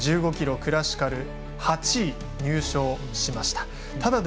クラシカル８位入賞しました。